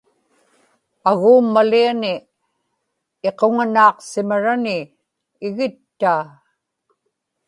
aguummaliani iquŋanaaqsimarani igittaa